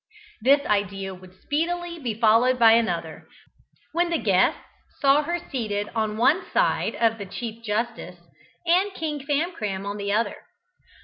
This idea would be speedily followed by another, when the guests saw her seated on one side of the Chief Justice and King Famcram on the other.